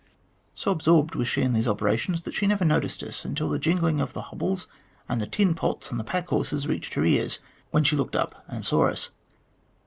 So absorbed was she in these operations that she never noticed us until the jingling of the hobbles and the tin pots on the pack horses reached her ears, when she looked up and saw us.